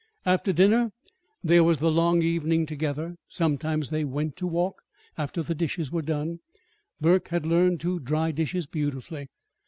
After dinner there was the long evening together. Sometimes they went to walk, after the dishes were done Burke had learned to dry dishes beautifully.